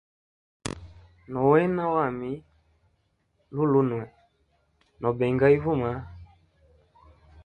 Nowena wami lulunwe, no benga ivuma.